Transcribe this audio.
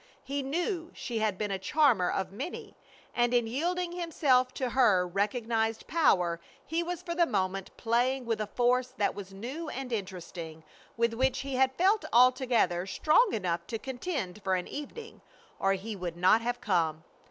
He knew she had been a charmer of many, and in yielding himself to her recognized power he was for the moment playing with a force that was new and interesting, with which he had felt altogether strong enough to contend for an evening or he would not have come.